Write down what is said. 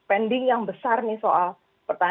di sisi lain pending yang besar nih soal krisis energi